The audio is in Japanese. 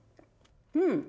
うん。